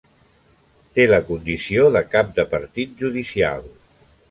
Té la condició de cap de partit judicial.